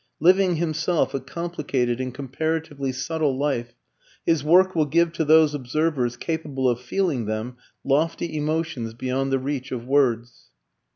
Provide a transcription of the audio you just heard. Living himself a complicated and comparatively subtle life, his work will give to those observers capable of feeling them lofty emotions beyond the reach of words.